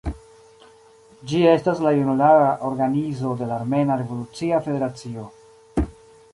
Ĝi estas la junulara organizo de la Armena Revolucia Federacio.